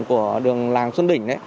của đường làng xuân đỉnh